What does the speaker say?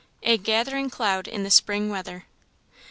A gathering cloud in the spring weather.